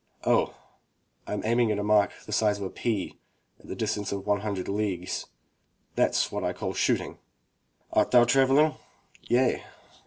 "Oh, Fm aiming at a mark the size of a pea at a distance of one hundred leagues. That's what I call shooting!" "Art thou traveling?" "Yea!"